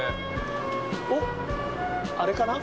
おっあれかな？